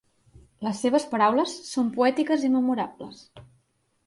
Les seves paraules són poètiques i memorables.